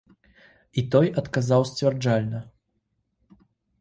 І той адказаў сцвярджальна.